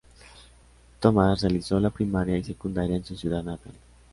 Tomás realizó la primaria y secundaria en su ciudad natal.